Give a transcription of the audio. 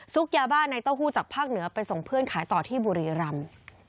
ยาบ้าในเต้าหู้จากภาคเหนือไปส่งเพื่อนขายต่อที่บุรีรำ